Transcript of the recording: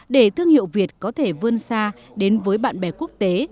để thương hiệu việt có thể vươn xa đến với bạn bè quốc tế